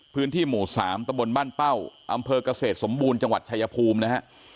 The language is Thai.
พื้นที่หมู่๓ตะบนบ้านเป้าอำเภอกเกษตรสมบูรณ์จังหวัดชายภูมินะฮะ